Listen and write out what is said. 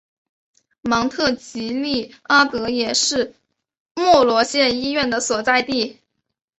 芒特吉利阿德也是莫罗县医院的所在地。